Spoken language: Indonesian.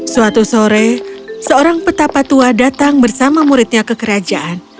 suatu sore seorang petapa tua datang bersama muridnya ke kerajaan